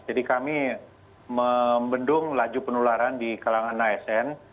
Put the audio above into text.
jadi kami membendung laju penularan di kalangan asn